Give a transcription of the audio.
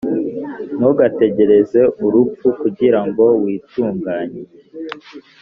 ntugategereze urupfu kugira ngo witunganye.